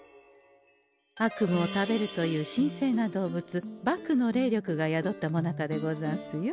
悪夢を食べるという神聖な動物獏の霊力が宿ったもなかでござんすよ。